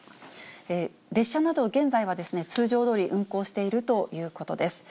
列車など、現在は通常どおり運行しているということです。